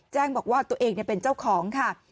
แจ้งบอกว่าตัวเองเป็นเจ้าของค่ะ